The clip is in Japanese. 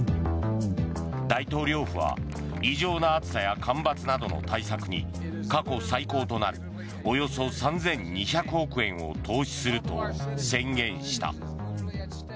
大統領府は異常な暑さや干ばつなどの対策に過去最高となるおよそ３２００億円を投資すると宣言した。